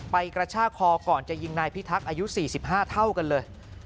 กระชากคอก่อนจะยิงนายพิทักษ์อายุ๔๕เท่ากันเลย